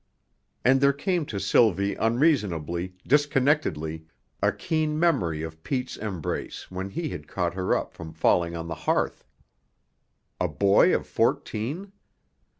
And there came to Sylvie unreasonably, disconnectedly, a keen memory of Pete's embrace when he had caught her up from falling on the hearth. A boy of fourteen?